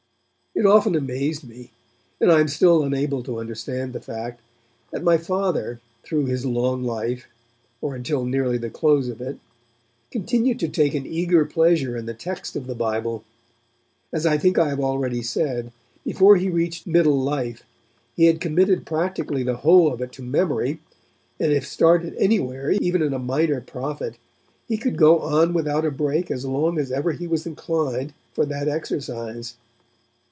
It often amazed me, and I am still unable to understand the fact, that my Father, through his long life or until nearly the close of it continued to take an eager pleasure in the text of the Bible. As I think I have already said, before he reached middle life, he had committed practically the whole of it to memory, and if started anywhere, even in a Minor Prophet, he could go on without a break as long as ever he was inclined for that exercise.